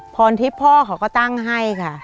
พรทิพย์พ่อเขาก็ตั้งให้ค่ะ